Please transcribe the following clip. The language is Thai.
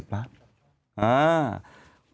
๒๐ล้าน